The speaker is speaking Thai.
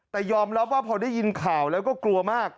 แต่ยอมรับว่าพอได้ยินข่าวแล้วก็กลัวมาก